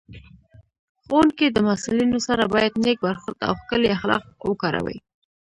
ښوونکی د محصلینو سره باید نېک برخورد او ښکلي اخلاق وکاروي